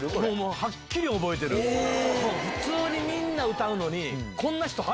普通にみんな歌うのに。